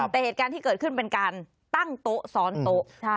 แต่เหตุการณ์ที่เกิดขึ้นเป็นการตั้งโต๊ะซ้อนโต๊ะ